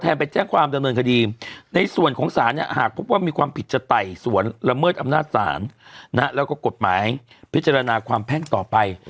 แล้วก็กฎหมายพิจารณาความแพ่งต่อไป